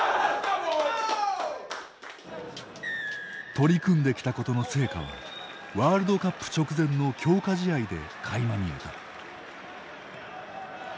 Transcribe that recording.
取り組んできたことの成果はワールドカップ直前の強化試合で垣間見えた。